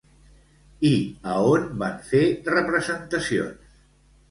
I a on van fer representacions?